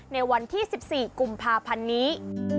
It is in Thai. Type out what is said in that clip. ในวันที่๑๔กุมภาพันธ์นี้